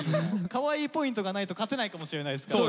カワイイポイントがないと勝てないかもしれないですから。